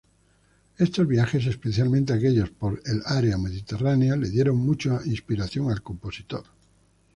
Estos viajes, especialmente aquellos por el área mediterránea, le dieron mucha inspiración al compositor.